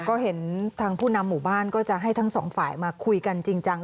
ก็เห็นทางผู้นำหมู่บ้านก็จะให้ทั้งสองฝ่ายมาคุยกันจริงจัง